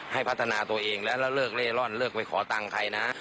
ให้พัฒนาตัวเองแล้วแล้วเลิกเล่ร่อนเลิกไปขอตังค์ใครนะ